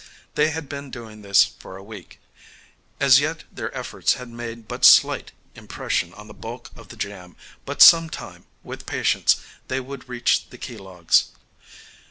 They had been doing this for a week. As yet their efforts had made but slight impression on the bulk of the jam, but some time, with patience, they would reach the key logs.